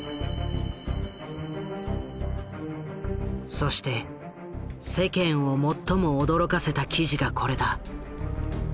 そして世間を最も驚かせた記事がこれだ。